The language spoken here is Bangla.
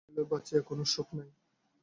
মনে হইতে লাগিল বাঁচিয়া কোনো সুখ নাই।